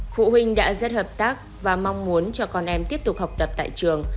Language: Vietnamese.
phụ huynh đã rất hợp tác và mong muốn cho con em tiếp tục học tập tại trường